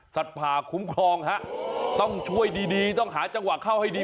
ผ่าคุ้มครองฮะต้องช่วยดีต้องหาจังหวะเข้าให้ดี